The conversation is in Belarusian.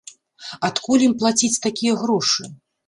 Адкуль ім плаціць такія грошы?